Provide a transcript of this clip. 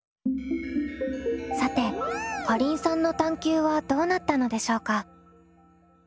さてかりんさんの探究はどうなったのでしょうか？